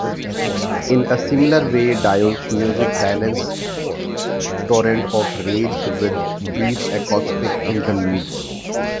In a similar way, Dio's music balanced torrents of rage with brief acoustic interludes.